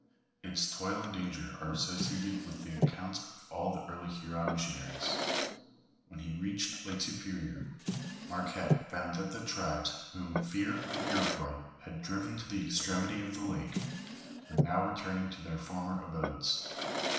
Its toil and danger are associated with the acco\<nts of all the earlv Hnron missionaries. Wlien he reached Lake Superior, Marquette found that the tribes whom fear of the Iroquois had driven to the extremity of the lake, were now returning to their former abodes.